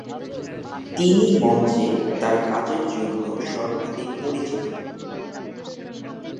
তিনি মঞ্চে তার কাজের জন্য সর্বাধিক পরিচিত।